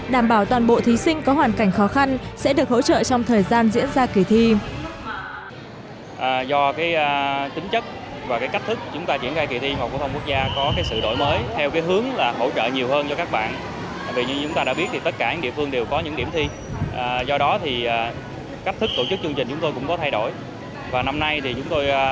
đảm bảo toàn bộ thí sinh có hoàn cảnh khó khăn sẽ được hỗ trợ trong thời gian diễn ra kỳ thi